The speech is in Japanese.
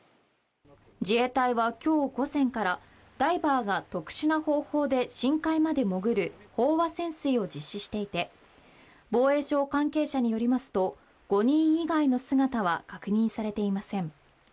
自衛隊は今日午前からダイバーが特殊な方法で深海まで潜る飽和潜水を実施していて、防衛省関係者によりますと、５人以外の姿は確認されていません